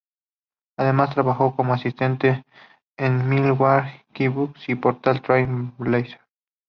Además, trabajó como asistente en Milwaukee Bucks y Portland Trail Blazers.